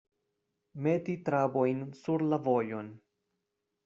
Meti trabojn sur la vojon.